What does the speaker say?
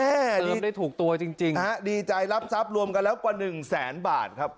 โอ้โหเติมได้ถูกตัวจริงดีใจรับทรัพย์รวมกันแล้วกว่า๑แสนบาทครับ